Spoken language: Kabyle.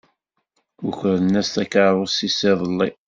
Ukren-as takeṛṛust-is iḍelli.